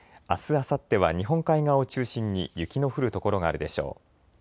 あすあさっては日本海側を中心に雪の降る所があるでしょう。